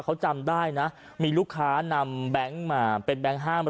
เขาจำได้นะมีลูกค้านำแบงค์มาเป็นแบงค์๕๐๐